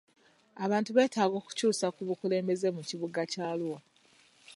Abantu beetaga okukyusa ku bukulembeze mu kibuga kya Arua.